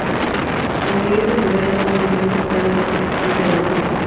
Aurelio Sepúlveda fue un militar mexicano que participó en la Revolución mexicana.